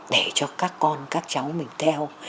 để cho các con các cháu mình theo